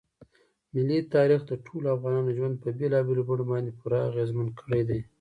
ملي تاریخ د ټولو افغانانو ژوند په بېلابېلو بڼو باندې پوره اغېزمن کړی دی.